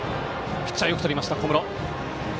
ピッチャーよくとりました、小室。